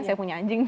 saya punya anjing